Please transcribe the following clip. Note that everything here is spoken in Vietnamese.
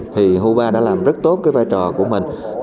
thì hubar đã làm rất tốt cái vai trò của mình